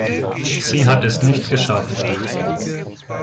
Sie hat es nicht geschafft.